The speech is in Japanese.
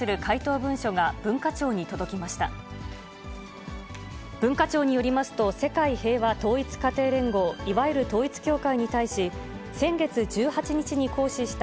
文化庁によりますと、世界平和統一家庭連合、いわゆる統一教会に対し、先月１８日に行使した